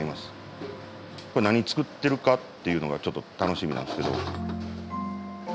これ何作ってるかっていうのがちょっと楽しみなんですけど。